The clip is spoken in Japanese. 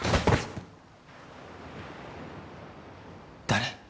誰？